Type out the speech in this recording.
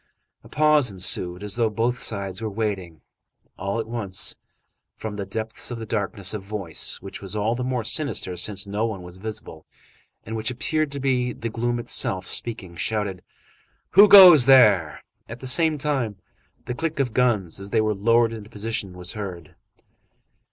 A pause ensued, as though both sides were waiting. All at once, from the depths of this darkness, a voice, which was all the more sinister, since no one was visible, and which appeared to be the gloom itself speaking, shouted:— "Who goes there?" At the same time, the click of guns, as they were lowered into position, was heard.